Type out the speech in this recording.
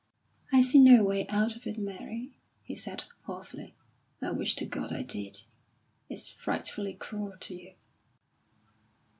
"I see no way out of it, Mary," he said, hoarsely. "I wish to God I did! It's frightfully cruel to you."